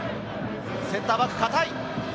センターバックが堅い。